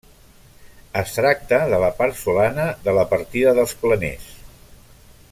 Es tracta de la part solana de la partida dels Planers.